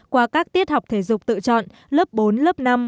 qua các tiết học thể dục tự chọn lớp bốn lớp năm